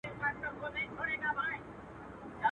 له نمرود څخه د کبر جام نسکور سو..